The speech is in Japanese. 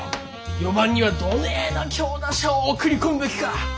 ４番にはどねえな強打者を送り込むべきか。